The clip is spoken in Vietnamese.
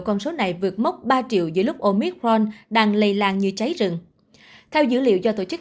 con số này vượt mốc ba triệu giữa lúc omicron đang lây làng như cháy rừng theo dữ liệu do tổ chức